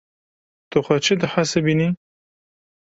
Tu xwe çi dihesibînî?